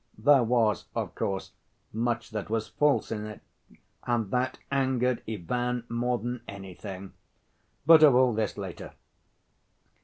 There was, of course, much that was false in it, and that angered Ivan more than anything.... But of all this later.